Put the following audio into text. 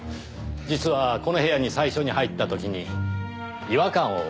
実はこの部屋に最初に入った時に違和感を感じましてねぇ。